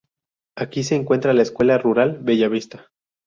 Aquí se encuentra la Escuela Rural Bella Vista.